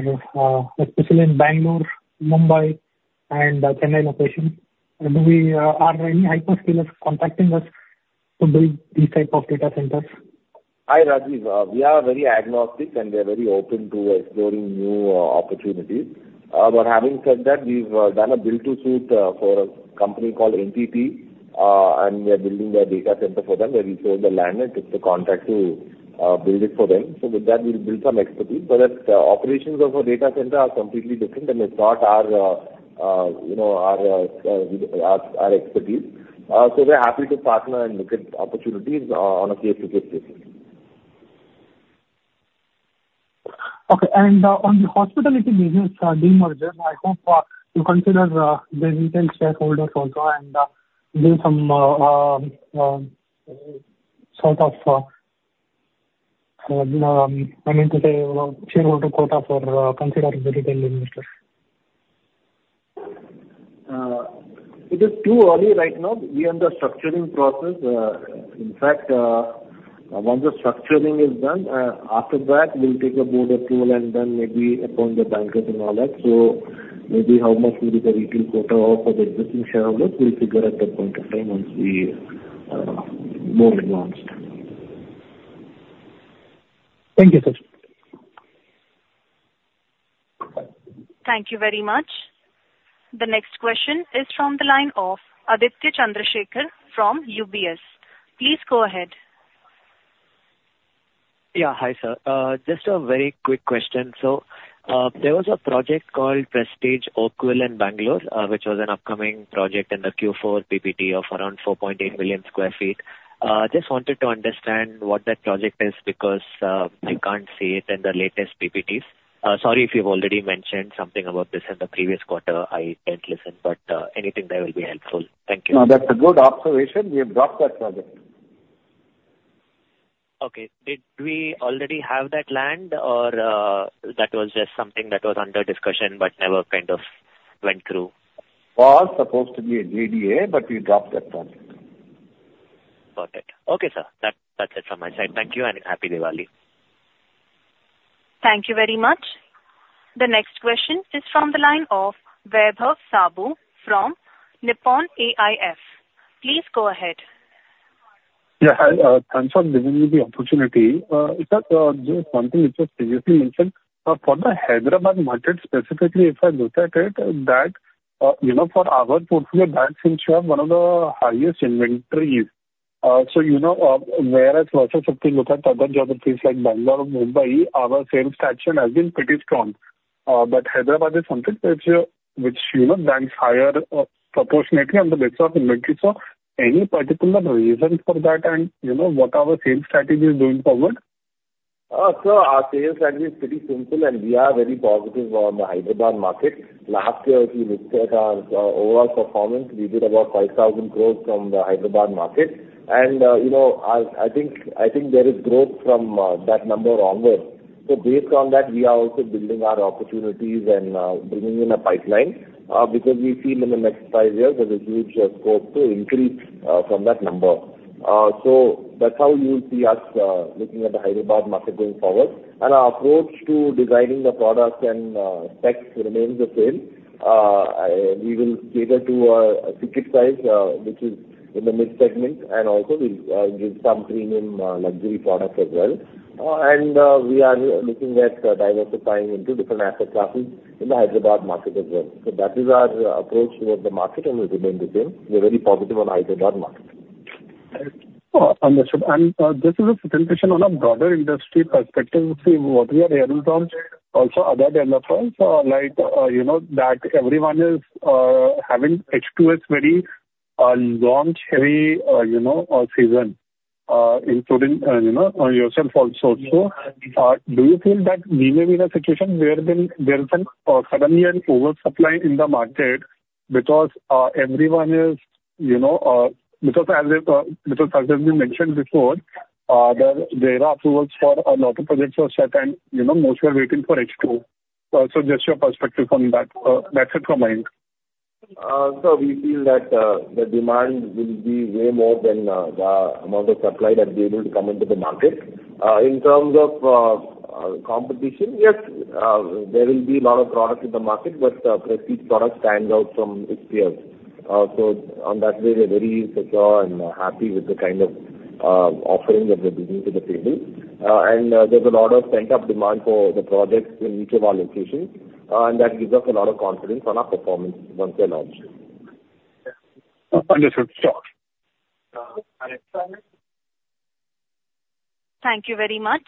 especially in Bangalore, Mumbai, and the Chennai location. Are there any hyperscalers contacting us to build these types of data centers? Hi, Rajiv. We are very agnostic, and we are very open to exploring new opportunities. But having said that, we've done a build-to-suit for a company called NTT, and we are building a data center for them where we sold the land and took the contract to build it for them. So with that, we'll build some expertise. But the operations of a data center are completely different, and it's not our expertise. So we're happy to partner and look at opportunities on a case-to-case basis. Okay. And on the hospitality business, the merger, I hope you consider the retail shareholders also and give some sort of, I mean, to say, shareholder quota for considering the retail investors. It is too early right now. We are in the structuring process. In fact, once the structuring is done, after that, we'll take a board approval and then maybe upon the bankers and all that. So maybe how much will be the retail quota for the existing shareholders, we'll figure at that point of time once we are more advanced. Thank you, sir. Thank you very much. The next question is from the line of Aditya Chandrashekar from UBS. Please go ahead. Yeah. Hi, sir. Just a very quick question. So there was a project called Prestige Oakville in Bangalore, which was an upcoming project in the Q4 PPT of around 4.8 million sq ft. Just wanted to understand what that project is because I can't see it in the latest PPTs. Sorry if you've already mentioned something about this in the previous quarter. I didn't listen, but anything there will be helpful. Thank you. No, that's a good observation. We have dropped that project. Okay. Did we already have that land, or that was just something that was under discussion but never kind of went through? Was supposed to be a JDA, but we dropped that project. Got it. Okay, sir. That's it from my side. Thank you and happy Diwali. Thank you very much. The next question is from the line of Vaibhav Saboo from Nippon AIF. Please go ahead. Yeah. Thanks for giving me the opportunity. Is that one thing which was previously mentioned? For the Hyderabad market specifically, if I look at it, that for our portfolio boasts one of the highest inventories. So, whereas if we look at other geographies like Bangalore, Mumbai, our sales traction has been pretty strong. But Hyderabad is something which ranks higher proportionately on the basis of inventory. So any particular reason for that and what our sales strategy is going forward? Sir, our sales strategy is pretty simple, and we are very positive on the Hyderabad market. Last year, if you looked at our overall performance, we did about 5,000 crores from the Hyderabad market. And I think there is growth from that number onward. So based on that, we are also building our opportunities and bringing in a pipeline because we feel in the next five years, there's a huge scope to increase from that number. So that's how you'll see us looking at the Hyderabad market going forward. And our approach to designing the products and specs remains the same. We will cater to a ticket size, which is in the mid segment, and also we'll give some premium luxury products as well. And we are looking at diversifying into different asset classes in the Hyderabad market as well. So that is our approach towards the market, and it remains the same. We're very positive on the Hyderabad market. Understood. And this is a presentation on a broader industry perspective. See, what we are hearing from also other developers like that everyone is having H2's very launch heavy season, including yourself also. So do you feel that we may be in a situation where there is suddenly an oversupply in the market because everyone is, because as you mentioned before, there are approvals for a lot of projects were shut, and most were waiting for H2? So just your perspective on that. That's it from my end. Sir, we feel that the demand will be way more than the amount of supply that will come into the market. In terms of competition, yes, there will be a lot of products in the market, but Prestige product stands out from its peers. So on that, we're very secure and happy with the kind of offering that we're bringing to the table, and there's a lot of pent-up demand for the projects in each of our locations, and that gives us a lot of confidence on our performance once we launch. Understood. Sure. Thank you very much.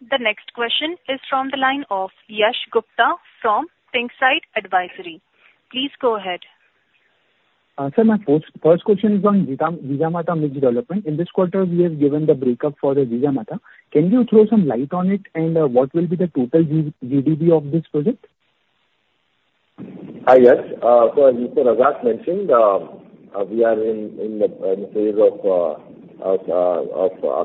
The next question is from the line of Yash Gupta from Uncertain. Please go ahead. Sir, my first question is on Jijamata mixed development. In this quarter, we have given the breakup for the Jijamata. Can you throw some light on it, and what will be the total GDV of this project? Hi, yes. So as Mr. Razak mentioned, we are in the phase of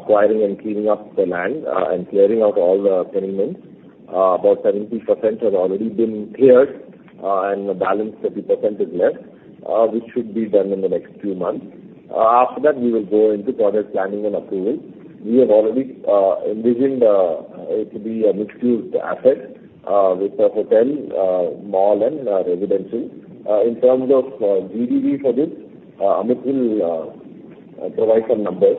acquiring and cleaning up the land and clearing out all the tenements. About 70% has already been cleared, and the balance 30% is left, which should be done in the next few months. After that, we will go into project planning and approval. We have already envisioned it to be a mixed-use asset with a hotel, mall, and residential. In terms of GDV for this, Amit will provide some numbers.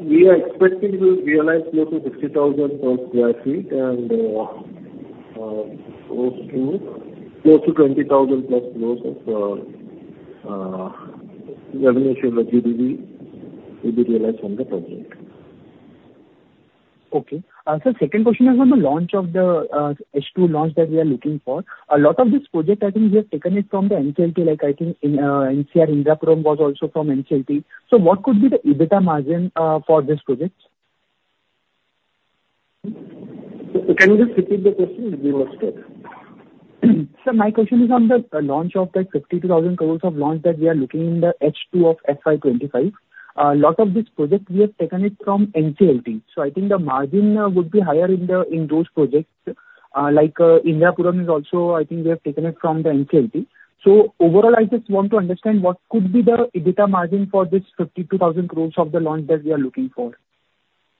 We are expecting to realize close to 50,000 per sq ft and close to 20,000 plus growth of revenue share of GDV will be realized from the project. Okay. Sir, second question is on the launch of the H2 launch that we are looking for. A lot of this project, I think we have taken it from the NCLT. I think NCR Indirapuram was also from NCLT. So what could be the EBITDA margin for this project? Can you just repeat the question? It's been missed a bit. Sir, my question is on the launch of that 52,000 crores of launch that we are looking in the H2 of FY25. A lot of this project, we have taken it from NCLT. So I think the margin would be higher in those projects. Like Indirapuram is also, I think we have taken it from the NCLT. So overall, I just want to understand what could be the EBITDA margin for this 52,000 crores of the launch that we are looking for.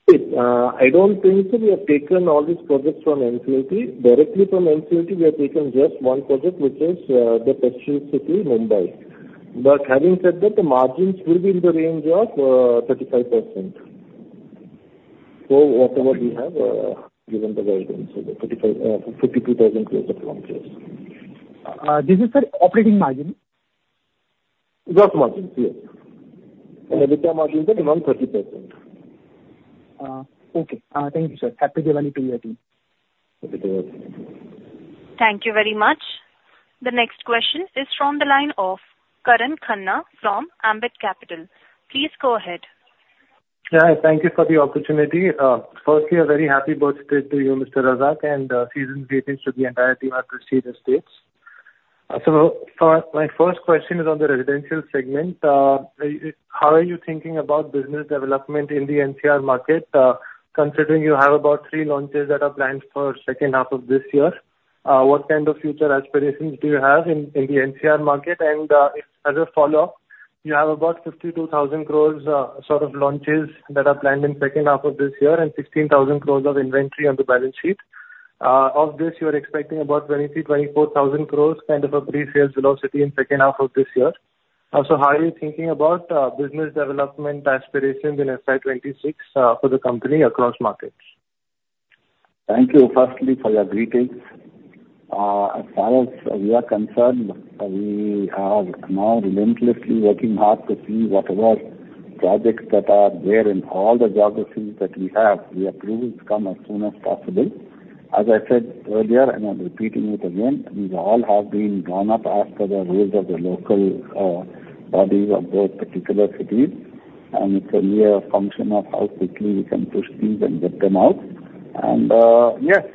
I don't think so, we have taken all these projects from NCLT. Directly from NCLT, we have taken just one project, which is the Prestige City Mumbai. But having said that, the margins will be in the range of 35% for whatever we have given the guidance of the INR 52,000 crores of launches. This is the operating margin? Gross margins, yes. And EBITDA margin is around 30%. Okay. Thank you, sir. Happy Diwali to you too. Happy Diwali. Thank you very much. The next question is from the line of Karan Khanna from Ambit Capital. Please go ahead. Yeah. Thank you for the opportunity. Firstly, a very happy birthday to you, Mr. Razak, and season greetings to the entire team at Prestige Estates. So my first question is on the residential segment. How are you thinking about business development in the NCR market, considering you have about three launches that are planned for the second half of this year? What kind of future aspirations do you have in the NCR market? And as a follow-up, you have about 52,000 crores sort of launches that are planned in the second half of this year and 16,000 crores of inventory on the balance sheet. Of this, you're expecting about 23,000-24,000 crores kind of a pre-sales velocity in the second half of this year. So how are you thinking about business development aspirations in FY26 for the company across markets? Thank you firstly for your greetings. As far as we are concerned, we are now relentlessly working hard to see whatever projects that are there in all the geographies that we have, we approve and come as soon as possible. As I said earlier, and I'm repeating it again, these all have been drawn up after the rules of the local bodies of those particular cities, and it's a mere function of how quickly we can push things and get them out, and yes,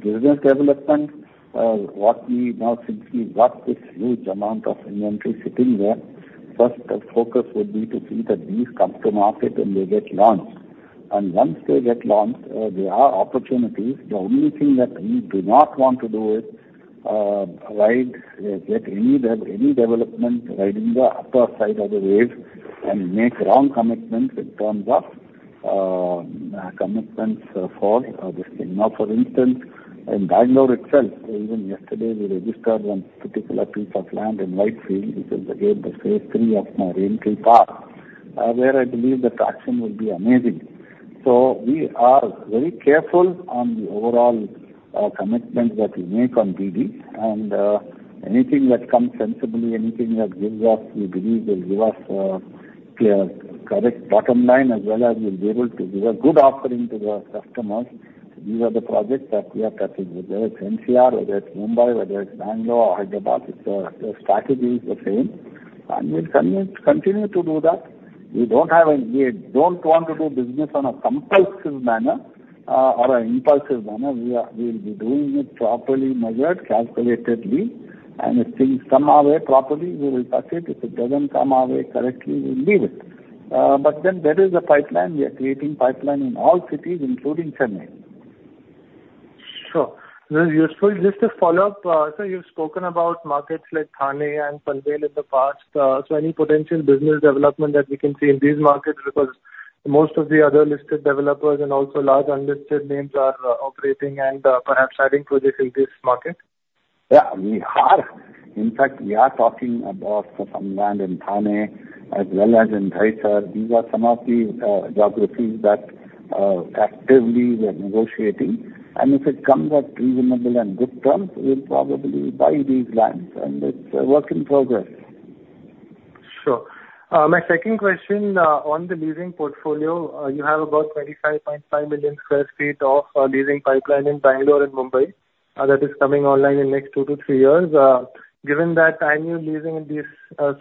business development, what we now see is what this huge amount of inventory sitting there. First focus would be to see that these come to market and they get launched, and once they get launched, there are opportunities. The only thing that we do not want to do is ride any development riding the upper side of the wave and make wrong commitments in terms of commitments for this thing. Now, for instance, in Bangalore itself, even yesterday, we registered one particular piece of land in Whitefield, which is again the phase three of Prestige Raintree Park, where I believe the traction will be amazing, so we are very careful on the overall commitment that we make on BD. And anything that comes sensibly, anything that gives us, we believe will give us a correct bottom line as well as we'll be able to give a good offering to the customers. These are the projects that we are tackling, whether it's NCR, whether it's Mumbai, whether it's Bangalore or Hyderabad. The strategy is the same, and we'll continue to do that. We don't want to do business on a compulsive manner or an impulsive manner. We'll be doing it properly measured, calculatedly, and if things come our way properly, we will touch it. If it doesn't come our way correctly, we'll leave it. But then there is a pipeline. We are creating pipeline in all cities, including Chennai. Sure. This is useful. Just a follow-up. Sir, you've spoken about markets like Thane and Parel in the past. So any potential business development that we can see in these markets because most of the other listed developers and also large unlisted names are operating and perhaps adding projects in this market? Yeah. We are. In fact, we are talking about some land in Thane as well as in Dahisar. These are some of the geographies that actively we're negotiating. And if it comes at reasonable and good terms, we'll probably buy these lands. And it's a work in progress. Sure. My second question on the leasing portfolio. You have about 25.5 million sq ft of leasing pipeline in Bangalore and Mumbai that is coming online in the next two to three years. Given that annual leasing in these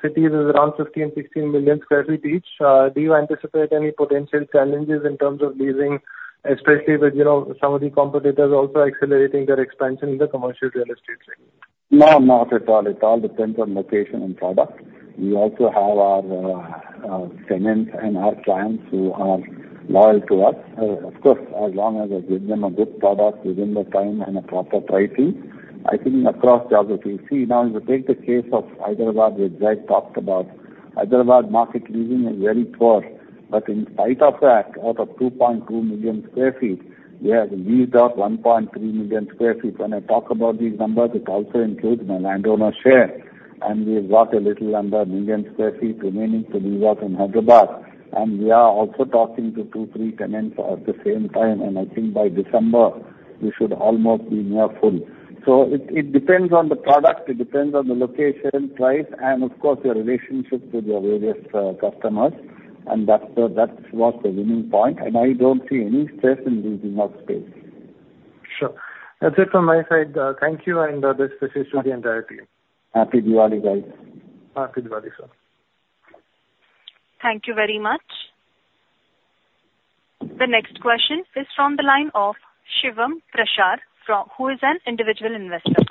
cities is around 15,000-16,000 sq ft each, do you anticipate any potential challenges in terms of leasing, especially with some of the competitors also accelerating their expansion in the commercial real estate segment? No, not at all. It all depends on location and product. We also have our tenants and our clients who are loyal to us. Of course, as long as we give them a good product within the time and a proper pricing, I think across geographies. See, now if you take the case of Hyderabad, which I talked about, Hyderabad market leasing is very poor. But in spite of that, out of 2.2 million sq ft, we have leased out 1.3 million sq ft. When I talk about these numbers, it also includes my landowner share, and we've got a little under a million sq ft remaining to lease out in Hyderabad, and we are also talking to two, three tenants at the same time, and I think by December, we should almost be near full, so it depends on the product. It depends on the location, price, and of course, your relationship with your various customers. And that's what's the winning point. And I don't see any stress in leasing out space. Sure. That's it from my side. Thank you, and this is the entire team. Happy Diwali, guys. Happy Diwali, sir. Thank you very much. The next question is from the line of Shivam Prashar, who is an individual investor.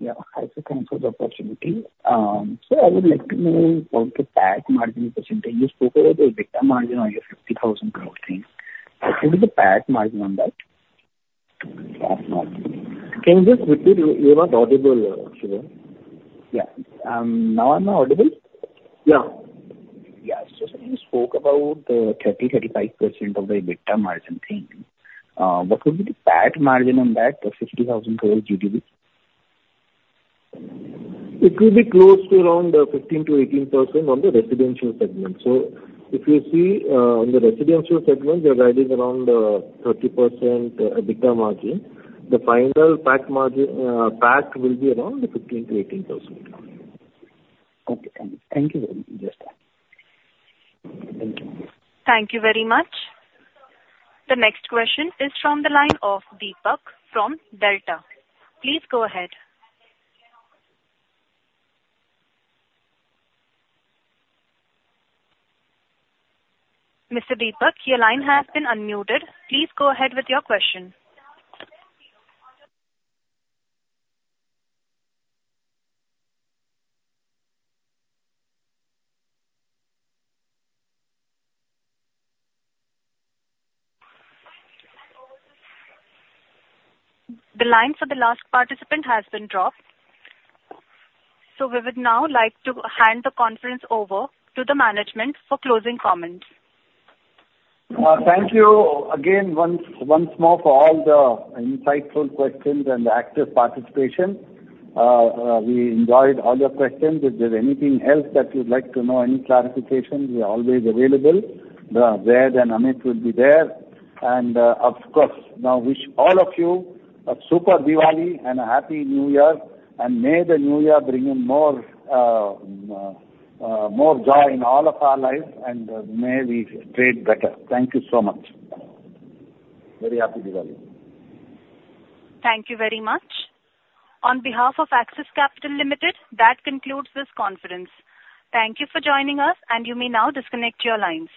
Yeah. I should thank you for the opportunity. Sir, I would like to know about the PAT margin percentage. You spoke about the EBITDA margin on your 50,000 crore thing. What is the PAT margin on that? PAT margin? Can you just repeat? You were audible, Shivam. Yeah. Now I'm audible? Yeah. Yeah. So you spoke about the 30%-35% of the EBITDA margin thing. What would be the PAT margin on that, the 50,000 crore GDV? It will be close to around 15%-18% on the residential segment. So if you see on the residential segment, we're running around 30% EBITDA margin. The final PAT margin will be around 15%-18%. Okay. Thank you very much. Just thank you. Thank you very much. The next question is from the line of Deepak from Delta. Please go ahead. Mr. Deepak, your line has been unmuted. Please go ahead with your question. The line for the last participant has been dropped. So we would now like to hand the conference over to the management for closing comments. Thank you again once more for all the insightful questions and the active participation. We enjoyed all your questions. If there's anything else that you'd like to know, any clarification, we are always available. Zaid and Amit will be there. And of course, now wish all of you a super Diwali and a happy New Year. And may the New Year bring you more joy in all of our lives, and may we trade better. Thank you so much. Very happy Diwali. Thank you very much. On behalf of Axis Capital Limited, that concludes this conference. Thank you for joining us, and you may now disconnect your lines.